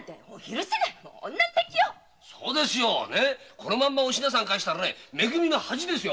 このままお品さん帰したら「め組」の恥ですよ。